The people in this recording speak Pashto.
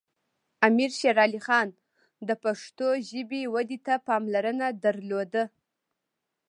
امیر شیر علی خان پښتو ژبې ودې ته پاملرنه درلوده.